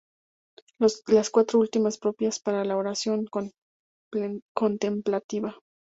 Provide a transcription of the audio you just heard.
Las cuatro últimas, propias para la oración contemplativa.